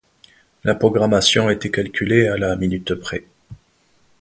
La programmation était calculée à la minute près.